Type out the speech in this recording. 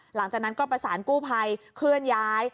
หลังจากนั้นก็ประสานกู้ภัยเคลื่อนย้าย